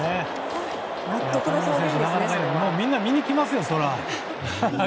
みんな見に来ますよ、これは。